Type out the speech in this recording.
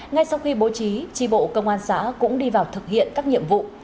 ngay sau khi bố trí tri bộ công an xã cũng đi vào thực hiện các nhiệm vụ